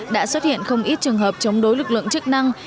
đã xuất hiện không ít trường hợp chống đối lực lượng chức năng